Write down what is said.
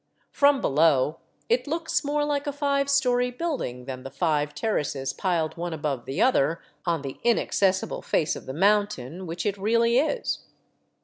From below it looks more like a five story building than the five terraces piled one above the other on the inaccessible face of the mountain, which it really is.